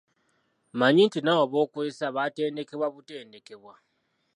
Manya nti n'abo b'okozesa baatendekebwa butendekebwa.